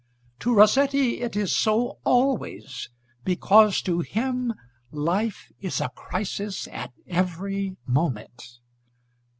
To Rossetti it is so always, because to him life is a crisis at every moment.